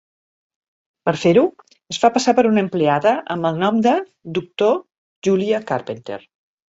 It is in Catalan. Per fer-ho, es fa passar per una empleada amb el nom de "Doctor Julia Carpenter".